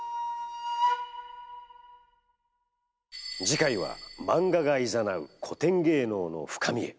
次回はマンガがいざなう古典芸能の深みへ。